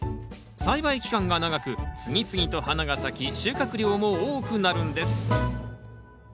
栽培期間が長く次々と花が咲き収穫量も多くなるんです。